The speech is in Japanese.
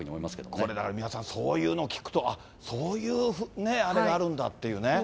これだから三輪さん、そういうのを聞くと、あっ、そういうあれがあるんだっていうね。